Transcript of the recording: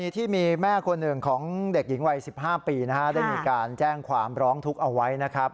ที่มีแม่คนหนึ่งของเด็กหญิงวัย๑๕ปีได้มีการแจ้งความร้องทุกข์เอาไว้นะครับ